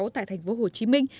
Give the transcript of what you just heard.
tại thành phố hồ chí minh